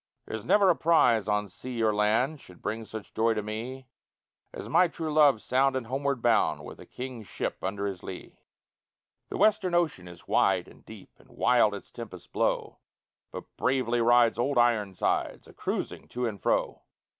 "There's never a prize on sea or land Could bring such joy to me As my true love sound and homeward bound With a king's ship under his lee." The Western ocean is wide and deep, And wild its tempests blow, But bravely rides "Old Ironsides," A cruising to and fro.